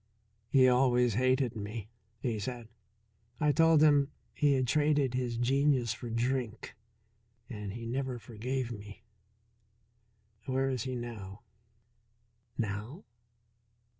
"He always hated me," he said. "I told him he had traded his genius for drink, and he never forgave me. Where is he now?" "Now?"